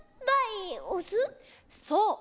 そう。